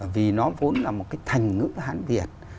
vì nó vốn là một cái thành ngữ hán việt